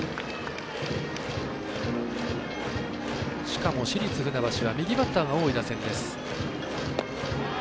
しかも市立船橋は右バッターが多い打線です。